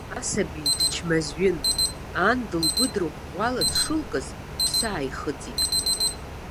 Асаби дычмазаҩын, ан дылгәыдырӷәӷәала дшылкыз, иԥсы ааихыҵит.